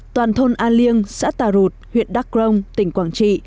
toàn thôn an liêng xã tà rụt huyện đắc rông tỉnh quảng trị